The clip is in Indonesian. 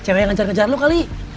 cewek yang ngejar kejar lo kali